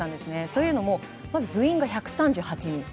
というのもまず部員が１３８人。